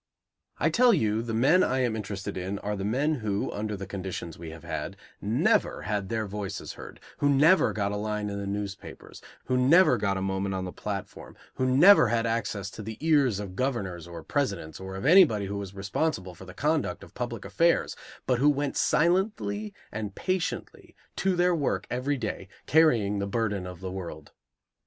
I tell you the men I am interested in are the men who, under the conditions we have had, never had their voices heard, who never got a line in the newspapers, who never got a moment on the platform, who never had access to the ears of Governors or Presidents or of anybody who was responsible for the conduct of public affairs, but who went silently and patiently to their work every day carrying the burden of the world.